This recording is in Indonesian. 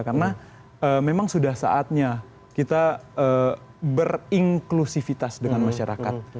karena memang sudah saatnya kita berinklusifitas dengan masyarakat